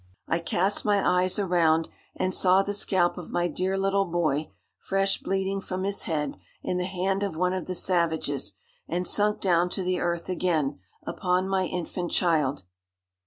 I cast my eyes around, and saw the scalp of my dear little boy, fresh bleeding from his head, in the hand of one of the savages, and sunk down to the earth again, upon my infant child.